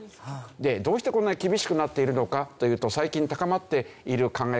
どうしてこんなに厳しくなっているのかというと最近高まっている考え方